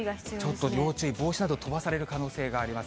ちょっと要注意、帽子など、飛ばされる可能性があります。